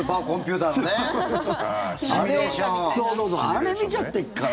あれ見ちゃってっから。